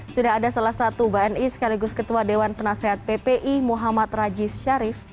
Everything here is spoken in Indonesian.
sudah ada salah satu bni sekaligus ketua dewan penasehat ppi muhammad rajif sharif